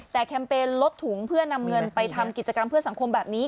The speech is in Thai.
แต่แคมเปญลดถุงเพื่อนำเงินไปทำกิจกรรมเพื่อสังคมแบบนี้